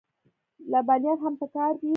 لبنیات هم پکار دي.